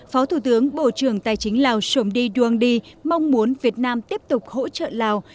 phó thủ tướng bộ trưởng tài chính lào shomdi duongdi mong muốn việt nam tiếp tục hỗ trợ lào